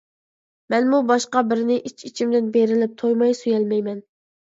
مەنمۇ باشقا بىرىنى ئىچ-ئىچىمدىن بېرىلىپ، تويماي سۆيەلمەيمەن.